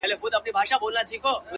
بیا هغه لار ده! خو ولاړ راته صنم نه دی!